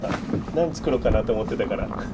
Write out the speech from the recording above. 何作ろうかなと思ってたから。